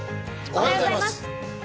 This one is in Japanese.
おはようございます。